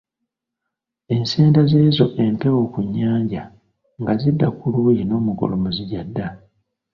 Ensenda z'ezo empewo ku nnyanja nga zidda ku luuyi n’omugolomozi gy’adda.